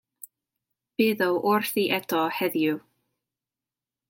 Bydd o wrthi eto heddiw.